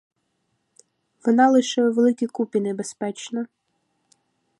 Вона лише у великій купі небезпечна.